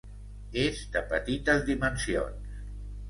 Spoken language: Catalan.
És de petites dimensions.